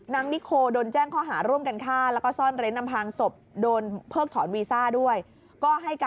นางนิโคโดนแจ้งข้อหาร่วมกันฆ่า